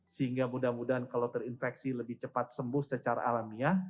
sehingga mudah mudahan kalau terinfeksi lebih cepat sembuh secara alamiah